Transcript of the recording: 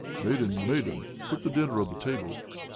'Maiden, Maiden! put the dinner on the table!'